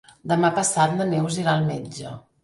Demà passat na Neus irà al metge.